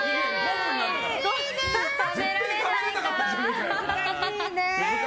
食べられないか。